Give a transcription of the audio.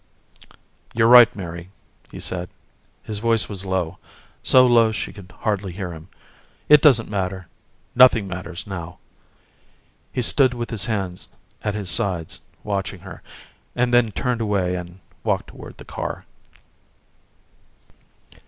"You're right, Mary," he said. His voice was low so low she could hardly hear him. "It doesn't matter. Nothing matters now." He stood with his hands at his sides, watching her. And then turned away and walked toward the car.